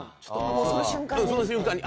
もうその瞬間に？